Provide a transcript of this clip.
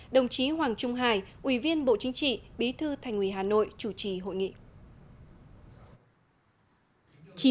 đồng chí hoàng trung hải ủy viên bộ chính trị bí thư thành ủy hà nội chủ trì hội nghị